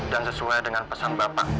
dan sesuai dengan pesan bapak